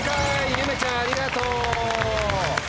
ゆめちゃんありがとう。